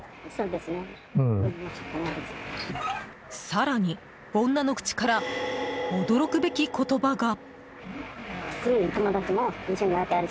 更に、女の口から驚くべき言葉が。